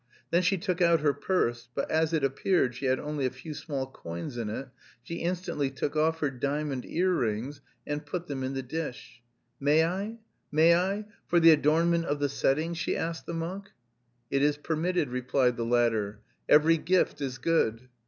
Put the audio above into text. Then she took out her purse, but as it appeared she had only a few small coins in it she instantly took off her diamond ear rings and put them in the dish. "May I? May I? For the adornment of the setting?" she asked the monk. "It is permitted," replied the latter, "every gift is good."